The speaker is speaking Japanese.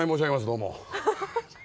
どうも。